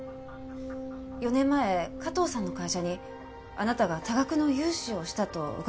４年前加藤さんの会社にあなたが多額の融資をしたと伺ったのですが。